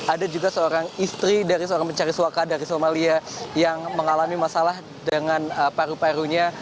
ada juga seorang istri dari seorang pencari suaka yang menyeberang jalan